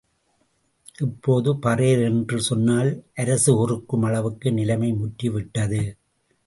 இப்போது பறையர் என்று சொன்னால் அரசு ஒறுக்கும் அளவுக்கு நிலைமை முற்றி விட்டது.